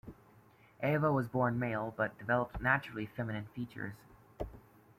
Eva was born male, but developed naturally feminine features.